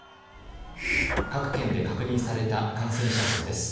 各県で確認された感染者数です。